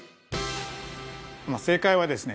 正解はですね